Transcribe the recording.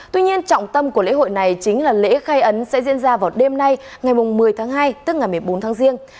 tuy nhiên trọng tâm của lễ hội này chính là lễ khai ấn sẽ diễn ra vào đêm nay ngày một mươi tháng hai tức ngày một mươi bốn tháng riêng